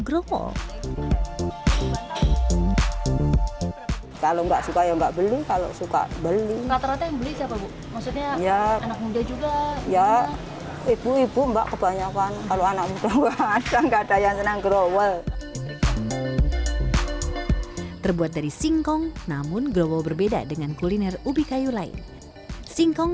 rawal terbuat dari singkong namun growel berbeda dengan kuliner ubi kayu lain singkong